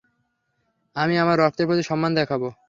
আমি আমার রক্তের প্রতি সম্মান দেখাবো।